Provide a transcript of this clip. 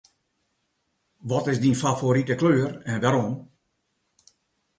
Wat is dyn favorite kleur en wêrom?